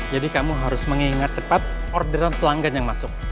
jadi kamu harus mengingat cepat orderan pelanggan yang masuk